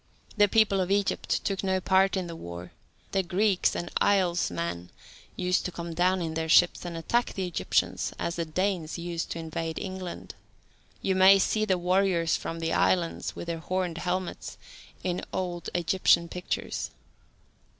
The people of Egypt took no part in the war: the Greeks and Islesmen used to come down in their ships and attack the Egyptians as the Danes used to invade England. You may see the warriors from the islands, with their horned helmets, in old Egyptian pictures.